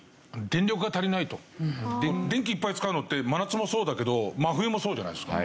電気いっぱい使うのって真夏もそうだけど真冬もそうじゃないですか。